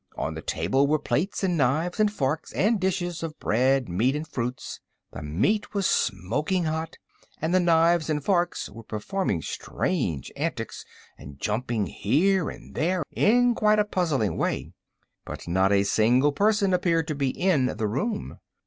On the table were plates, knives and forks, and dishes of bread, meat and fruits. The meat was smoking hot and the knives and forks were performing strange antics and jumping here and there in quite a puzzling way. But not a single person appeared to be in the room.